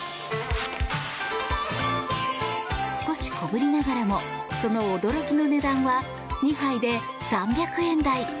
少し小ぶりながらもその驚きの値段は２杯で３００円台。